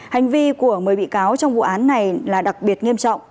hành vi của một mươi bị cáo trong vụ án này là đặc biệt nghiêm trọng